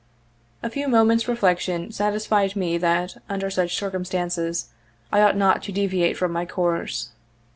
A few moments reflec tion satisfied me that, under such circumstances, I ought not to deviate from my course.